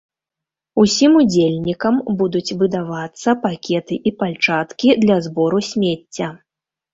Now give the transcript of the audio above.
Усім удзельнікам будуць выдавацца пакеты і пальчаткі для збору смецця.